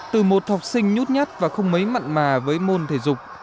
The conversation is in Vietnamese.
từ một học sinh nhút nhát và không mấy mặn mà với môn thể dục